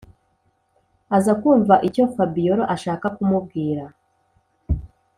aza kumva icyo fabiora ashaka kumubwira.